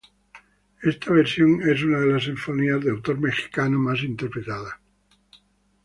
Esta versión es una de las sinfonías de autor mexicano más interpretada.